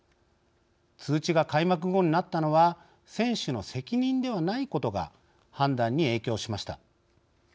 通知が開幕後になったのは選手の責任ではないことが判断に影響しました。